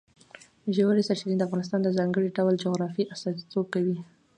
ژورې سرچینې د افغانستان د ځانګړي ډول جغرافیه استازیتوب کوي.